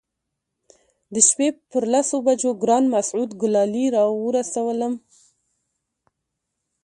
د شپې پر لسو بجو ګران مسعود ګلالي راورسولم.